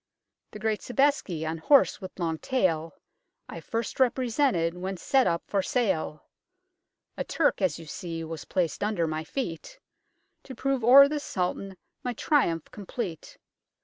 The great Sobeiski, on horse with long tail I first represented when set up for sale ; A Turk, as you see, was placed under my feet, To prove o'er the Sultan my triumph complete.